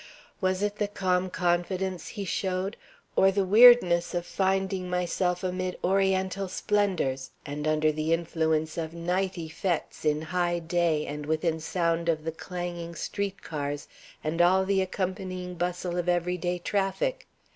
Was it the calm confidence he showed, or the weirdness of finding myself amid Oriental splendors and under the influence of night effects in high day and within sound of the clanging street cars and all the accompanying bustle of every day traffic?